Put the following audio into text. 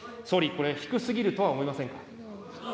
総理、これ、低すぎるとは思いませんか。